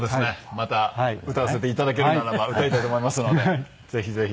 また歌わせて頂けるならば歌いたいと思いますのでぜひぜひ。